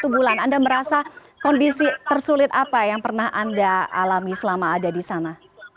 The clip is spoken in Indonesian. satu bulan anda merasa kondisi tersulit apa yang pernah anda alami selama ada di sana